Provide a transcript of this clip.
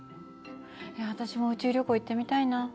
私も宇宙旅行行ってみたいな。